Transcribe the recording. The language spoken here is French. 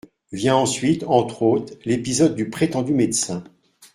Vient ensuite, entre autres, l'épisode du prétendu médecin.